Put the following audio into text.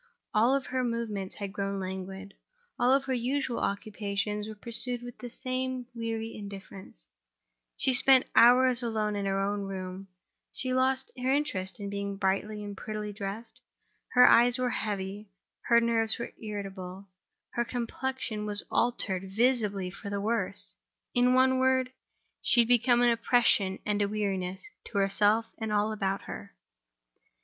All her movements had grown languid; all her usual occupations were pursued with the same weary indifference; she spent hours alone in her own room; she lost her interest in being brightly and prettily dressed; her eyes were heavy, her nerves were irritable, her complexion was altered visibly for the worse—in one word, she had become an oppression and a weariness to herself and to all about her.